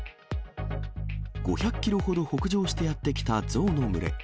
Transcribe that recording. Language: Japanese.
５００キロほど北上してやって来た象の群れ。